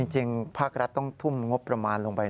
ภาครัฐต้องทุ่มงบประมาณลงไป